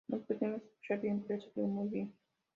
No pudimos escuchar bien, pero salió muy bien".